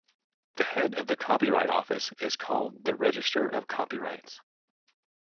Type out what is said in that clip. The head of the Copyright Office is called the Register of Copyrights.